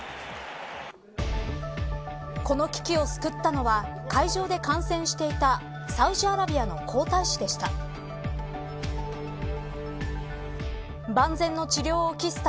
この危機を救ったのは会場で観戦していたサウジアラビアの皇太子でした。